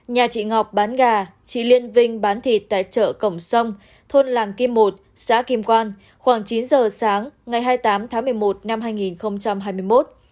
nhà chị ngọc bán gà chị liên vinh bán thịt tại chợ cổng sông thôn làng kim một xã kim quan khoảng chín giờ sáng ngày hai mươi tám tháng một mươi một năm hai nghìn hai mươi một